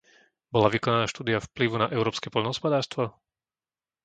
Bola vykonaná štúdia vplyvu na európske poľnohospodárstvo?